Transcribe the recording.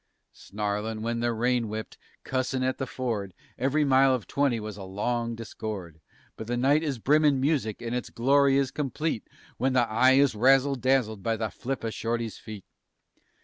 "_ Snarlin' when the rain whipped, cussin' at the ford Ev'ry mile of twenty was a long discord, But the night is brimmin' music and its glory is complete When the eye is razzle dazzled by the flip o' Shorty's feet!